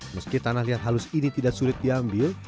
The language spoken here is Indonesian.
meski tanah liat halus ini tidak sulit diambil